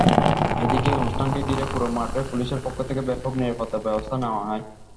এদিকে অনুষ্ঠানকে ঘিরে পুরো মাঠে পুলিশের পক্ষ থেকে ব্যাপক নিরাপত্তার ব্যবস্থা নেওয়া হয়।